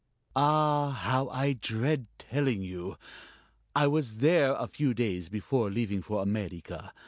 "Ah, how I dread telling you!... I was there a few days before leaving for America.